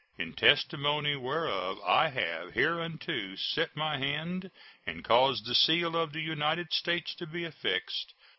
In testimony whereof I have hereunto set my hand and caused the seal of the United States to be affixed.